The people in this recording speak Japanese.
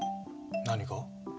何が？